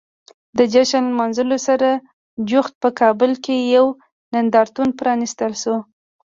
د جشن لمانځلو سره جوخت په کابل کې یو نندارتون پرانیستل شو.